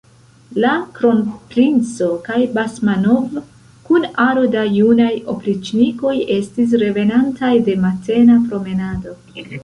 La kronprinco kaj Basmanov kun aro da junaj opriĉnikoj estis revenantaj de matena promenado.